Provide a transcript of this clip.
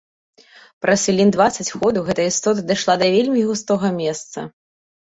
Праз хвілін дваццаць ходу гэтая істота дайшла да вельмі густога месца.